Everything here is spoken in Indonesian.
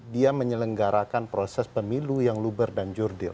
dia menyelenggarakan proses pemilu yang luber dan jurdil